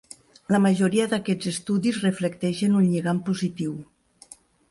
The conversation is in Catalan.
La majoria d'aquests estudis reflecteixen un lligam positiu.